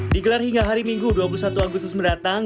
dikelar hingga hari minggu dua puluh satu agustus mendatang